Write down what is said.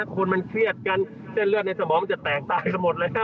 คนมันเครียดกันเส้นเลือดในสมองจะแตกตายกันหมดแล้ว